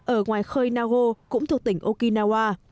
ở ngoài khơi nago cũng thuộc tỉnh okinawa